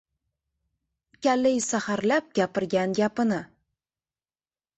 – Kallai saharlab gapirgan gapini…